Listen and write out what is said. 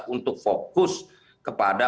untuk fokus kepada